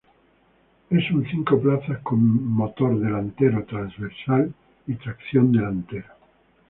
Es un cinco plazas con motor delantero transversal y tracción delantera.